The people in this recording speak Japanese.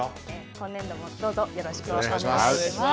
今年度もどうぞよろしくお願いします。